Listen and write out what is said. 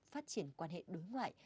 phát triển quan hệ đối ngoại